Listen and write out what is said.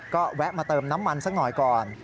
ก็แวะมาเติมน้ำมันสักหน่อยก่อน